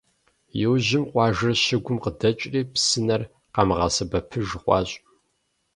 Иужьым, къуажэр щыгум къыдэкӏри, псынэр къамыгъэсэбэпыж хъуащ.